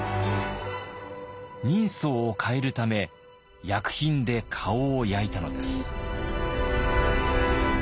人相を変えるため薬品で顔を焼いたのです。